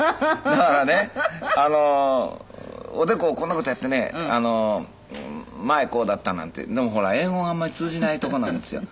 だからねおでこをこんな事やってね前こうだったなんて。でもほら英語があんまり通じない所なんですよ。